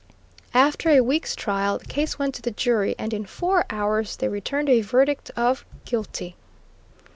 After a week's trial the case went to the jury, and in four hours they returned a verdict of "guilty."